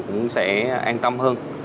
cũng sẽ an tâm hơn